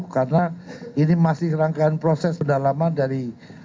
karena ini masih rangkaian proses pendalaman dari